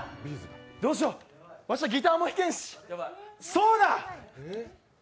どうしようわしはギターもひけんしそうだ！